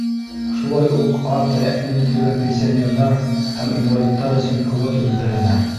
Шулай уҡ аҙ тәьмин ителгән пенсионерҙар һәм инвалидтар өсөн квота билдәләнә.